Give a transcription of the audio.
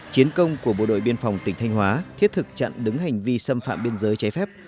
chiến công của bộ đội biên phòng tỉnh thanh hóa thiết thực chặn đứng hành vi xâm phạm biên giới trái phép